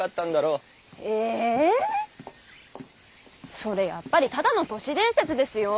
それやっぱりただの都市伝説ですよォ。